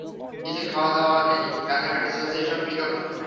এই-যে খাওয়া-দাওয়া নেই, কান্নাকাটি চলছে, এ-সব কী লক্ষণ?